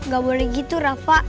gak boleh gitu rafa